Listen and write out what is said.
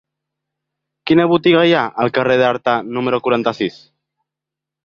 Quina botiga hi ha al carrer d'Artà número quaranta-sis?